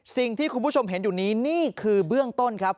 คุณผู้ชมเห็นอยู่นี้นี่คือเบื้องต้นครับ